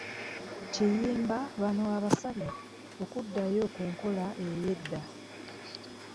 Kiyimba bano abasabye okuddayo ku nkola ey’edda